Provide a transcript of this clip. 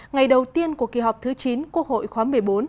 ngày đầu tiên của kỳ họp thứ chín quốc hội khóa một mươi bốn